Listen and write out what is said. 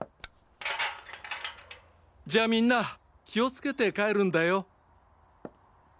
じゃあみんな気を付けて帰るんだよ。